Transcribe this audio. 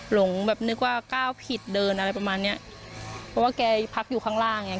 หลงแบบนึกว่าก้าวผิดเดินอะไรประมาณเนี้ยเพราะว่าแกพักอยู่ข้างล่างอย่างเ